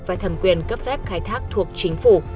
và thẩm quyền cấp phép khai thác thuộc chính phủ